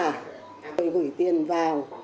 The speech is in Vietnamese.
người gửi tiền vào